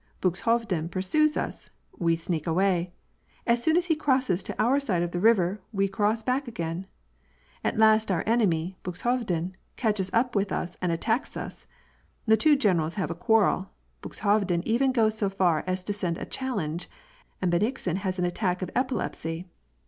Buxhovden pursues us,— we sneak away. As soon as he crosses to our side of the river we cross back again. At last our enemy, Buxhovden, catches up with us, and attacks us. The two generals have a quarrel. Buxhovden even goes so far as to send a challenge, and Benigsen has an attack of epilepsy.